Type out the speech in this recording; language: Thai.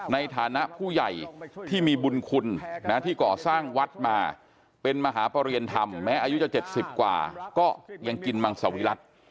ในฐานะผู้ใหญ่ที่มีบุญคุณที่ก่อสร้างวัดมาเป็นมหาประเรียนธรรมแม้อายุจะ๗๐กว่าก็ยังกินมังสวิรัติ